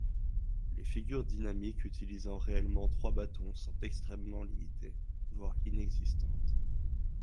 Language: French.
Les figures dynamiques utilisant réellement trois bâtons sont extrêmement limitées, voire inexistantes.